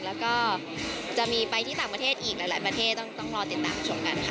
แล้วก็จะมีไปที่ต่างประเทศอีกหลายประเทศต้องรอติดตามชมกันค่ะ